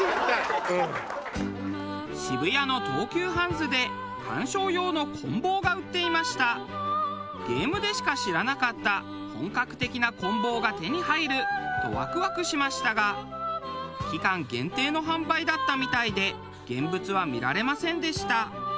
渋谷の東急ハンズでゲームでしか知らなかった本格的なこん棒が手に入る！とワクワクしましたが期間限定の販売だったみたいで現物は見られませんでした。